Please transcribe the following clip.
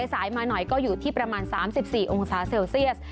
สายมาหน่อยก็อยู่ที่ประมาณ๓๔องศาเซลเซียส